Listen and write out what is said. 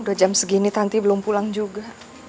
udah jam segini tanti belum pulang juga